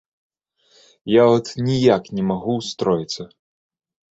Я от ніяк не магу ўстроіцца.